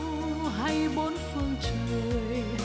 giữa nam châu hay bốn phương trời